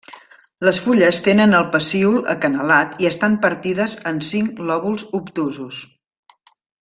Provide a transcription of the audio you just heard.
Les fulles tenen el pecíol acanalat i estan partides en cinc lòbuls obtusos.